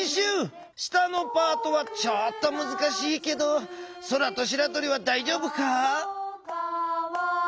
下のパートはちょっとむずかしいけどそらとしらとりはだいじょうぶか？